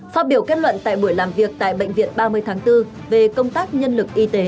phát biểu kết luận tại buổi làm việc tại bệnh viện ba mươi tháng bốn về công tác nhân lực y tế